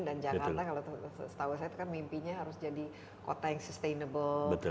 dan jakarta kalau setahu saya itu kan mimpinya harus jadi kota yang sustainable